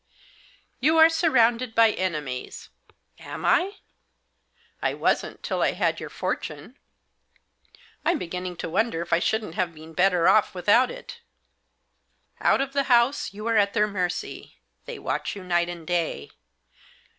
'You are surrounded by enemies.' Am I ? I wasn't till I had your fortune. I'm beginning to wonder if I shouldn't have been better off without it. ' Out of the house you are at their mercy. They watch you night and day.